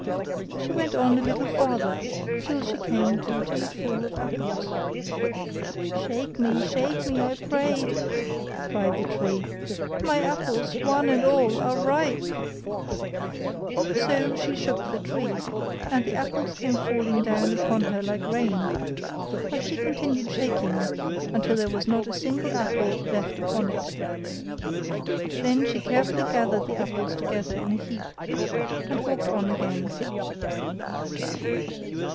She went on a little farther, till she came to a tree full of apples. 'Shake me, shake me, I pray,' cried the tree; 'my apples, one and all, are ripe.' So she shook the tree, and the apples came falling down upon her like rain; but she continued shaking until there was not a single apple left upon it. Then she carefully gathered the apples together in a heap and walked on again.